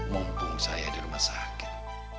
mumpung saya di rumah sakit